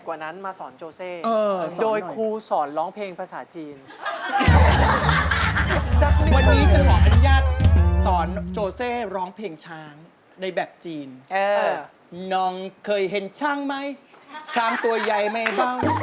ก็มั่งสีโสแม่ต้องต่อแล้ว